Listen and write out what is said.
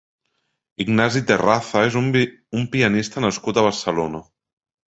Ignasi Terraza és un pianista nascut a Barcelona.